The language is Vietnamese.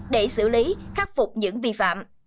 để xử lý khắc phục những vi phạm